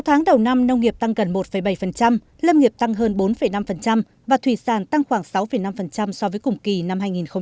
sáu tháng đầu năm nông nghiệp tăng gần một bảy lâm nghiệp tăng hơn bốn năm và thủy sản tăng khoảng sáu năm so với cùng kỳ năm hai nghìn một mươi chín